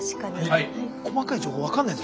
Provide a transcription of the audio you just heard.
はい。